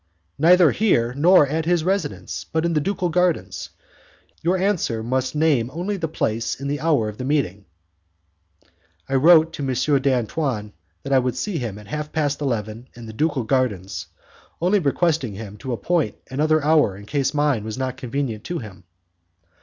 "Neither here nor at his residence, but in the ducal gardens. Your answer must name only the place and the hour of the meeting." I wrote to M. d'Antoine that I would see him at half past eleven in the ducal gardens, only requesting him to appoint another hour in case mine was not convenient to him.